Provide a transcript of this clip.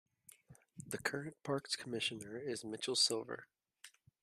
The current Parks Commissioner is Mitchell Silver.